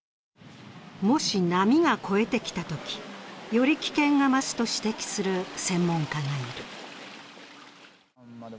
もし波が越えてきたとき、より危険が増すと指摘する専門家がいる。